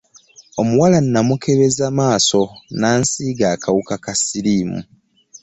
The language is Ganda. Omuwala nnamukebeza maaso n'ansiiga akawuka ka siriimu